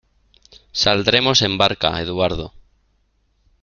Saldremos en barca, Eduardo.